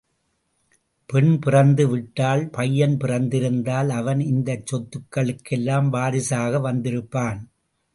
பெண் பிறந்து விட்டாள், பையன் பிறந்திருந்தால் அவன் இந்தச் சொத்துகளுக்கெல்லாம் வாரிசாக வந்திருப்பான்.